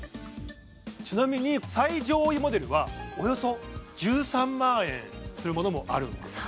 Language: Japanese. ちなみに最上位モデルはおよそ１３万円するものもあるんですね